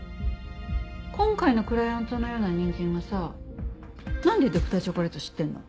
今回のクライアントのような人間がさ何でＤｒ．チョコレートを知ってんの？